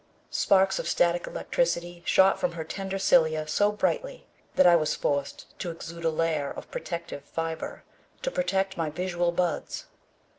Sparks of static electricity shot from her tender cilia so brightly that I was forced to exude a layer of protective fibre to protect my visual buds.